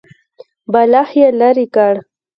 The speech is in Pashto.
بالښت يې ليرې کړ.